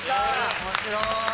面白い！